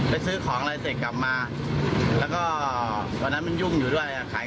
ซื้อของอะไรเสร็จกลับมาแล้วก็วันนั้นมันยุ่งอยู่ด้วยอ่ะขาย